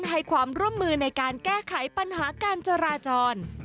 ให้ความร่วมมือในการแก้ไขปัญหาการจราจร